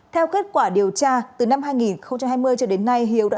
theo kết quả điều tra từ năm hai nghìn hai mươi cho đến nay